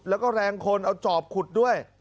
แล้วก็แรงคนเอาจอบขุดด้วย